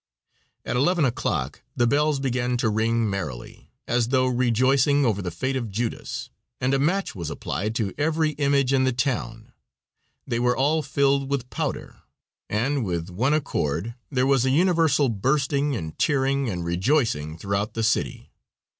At 11 o'clock the bells began to ring merrily, as though rejoicing over the fate of Judas, and a match was applied to every image in the town; they were all filled with powder, and with one accord there was a universal bursting and tearing and rejoicing throughout the city.